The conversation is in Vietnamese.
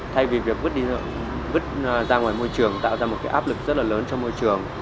thay vì việc vứt ra ngoài môi trường tạo ra một cái áp lực rất là lớn trong môi trường